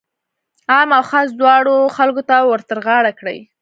عام او خاص دواړو خلکو ته ورترغاړه کړي.